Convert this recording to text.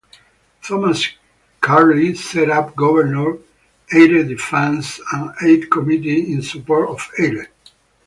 Thomas Carlyle set up Governor Eyre Defense and Aid Committee in support of Eyre.